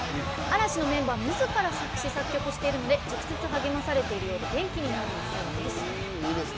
嵐のメンバーみずから作詞・作曲しているので直接、励まされているようで元気になるそうです。